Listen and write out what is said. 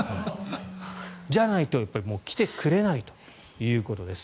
じゃないと来てくれないということです。